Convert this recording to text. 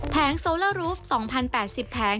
แผงโซลารูฟ๒๐๘๐แผง